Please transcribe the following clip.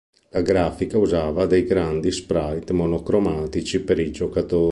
La grafica usava dei grandi sprite monocromatici per i giocatori.